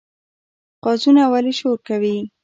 قازونه ولې شور کوي؟